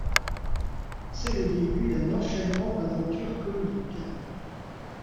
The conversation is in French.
C'est le début d'un enchaînement d'aventures comiques.